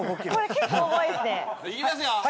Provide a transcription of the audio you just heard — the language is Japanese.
いきますよ。